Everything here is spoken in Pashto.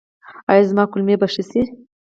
ایا زما کولمې به ښې شي؟